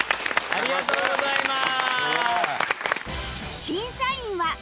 ありがとうございます！